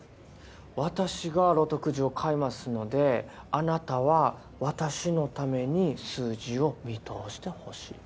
私がロトくじを買いますのであなたは私のために数字を見通してほしい。